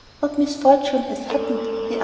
'What misfortune has happened then?